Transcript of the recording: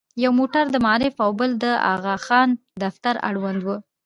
یو موټر د معارف او بل د اغاخان دفتر اړوند و.